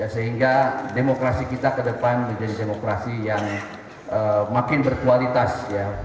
sehingga demokrasi kita ke depan menjadi demokrasi yang makin berkualitas